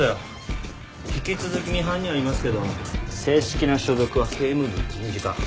引き続きミハンにはいますけど正式な所属は警務部人事課。